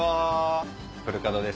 古門です